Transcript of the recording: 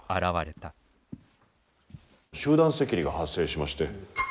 集団赤痢が発生しまして。